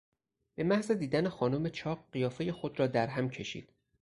به محض دیدن خانم چاق قیافهی خود را درهم کشید.